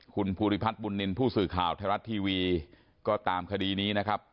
คุณภูริพัฒน์บุญนินทร์ผู้สื่อข่าวไทยรัฐทีวีก็ตามคดีนี้นะครับ